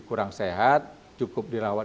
kurang sehat cukup dirawat